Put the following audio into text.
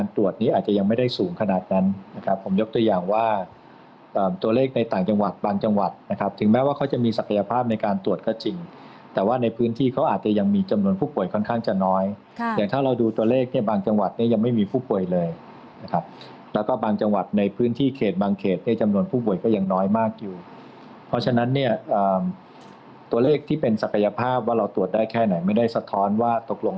ตัวเลขในต่างจังหวัดบางจังหวัดนะครับถึงแม้ว่าเขาจะมีศักยภาพในการตรวจก็จริงแต่ว่าในพื้นที่เขาอาจจะยังมีจำนวนผู้ป่วยค่อนข้างจะน้อยอย่างถ้าเราดูตัวเลขเนี่ยบางจังหวัดเนี่ยยังไม่มีผู้ป่วยเลยนะครับแล้วก็บางจังหวัดในพื้นที่เขตบางเขตเนี่ยจำนวนผู้ป่วยก็ยังน้อยมากอยู่เพราะฉะนั้น